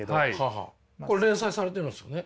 これ連載されてるんですよね。